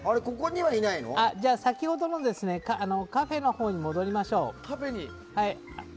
先ほどのカフェのほうに戻りましょう。